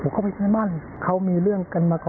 จะโดนแทงละรุ่น